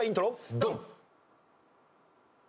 ドン！